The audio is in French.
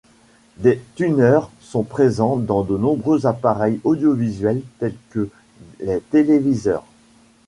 Des tuners sont présents dans de nombreux appareils audiovisuels tels que les téléviseurs.